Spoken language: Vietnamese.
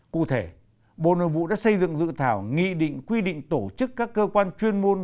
cụ thể bộ nội vụ đã xây dựng dự thảo nghị định quy định tổ chức các cơ quan chuyên môn